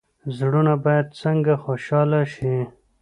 زړونه باید څنګه خوشحاله شي؟